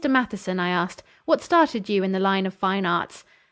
Matheson," I asked, "what started you in the line of fine arts?"